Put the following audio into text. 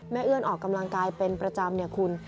เอื้อนออกกำลังกายเป็นประจำเนี่ยคุณ